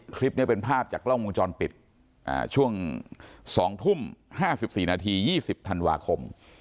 คลิปนี้เป็นภาพจากกล้องวงจรปิดช่วง๒ทุ่ม๕๔นาที๒๐ธันวาคม